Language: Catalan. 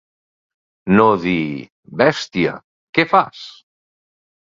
No dir: —Bèstia, què fas?